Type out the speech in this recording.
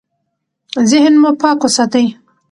ذهن مو پاک وساتئ.